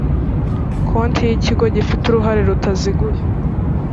konti y ikigo gifite uruhare rutaziguye